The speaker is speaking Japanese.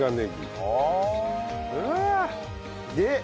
で。